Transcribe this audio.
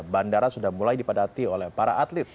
bandara sudah mulai dipadati oleh para atlet